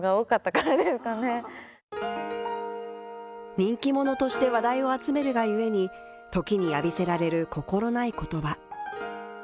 人気者として話題を集めるがゆえに時に浴びせられる心ない言葉。